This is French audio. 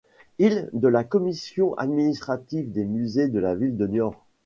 Il de la commission administrative des musées de la ville de Niort.